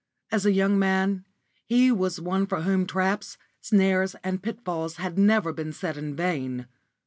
As a young man, he was one for whom traps, snares, and pitfalls had never been set in vain.